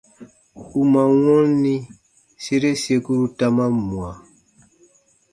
U man wɔnni, sere sekuru ta man mwa.